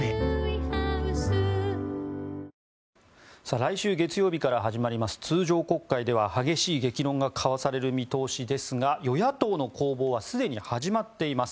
来週月曜日から始まります、通常国会では激しい激論が交わされる見通しですが与野党の攻防はすでに始まっています。